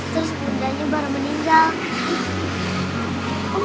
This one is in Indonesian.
terus bundanya baru meninggal